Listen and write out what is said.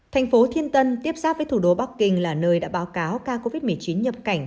thành phố thiên tân tiếp xác với thủ đô bắc kinh là nơi đã báo cáo ca covid một mươi chín nhập cảnh